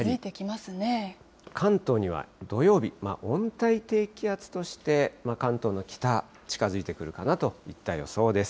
関東には土曜日、温帯低気圧として、関東の北、近づいてくるかなといった予想です。